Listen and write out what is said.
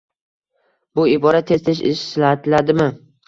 Bu ibora tez-tez ishlatiladimi?